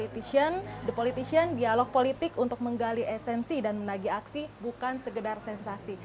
the politician dialog politik untuk menggali esensi dan menagi aksi bukan segedar sensasi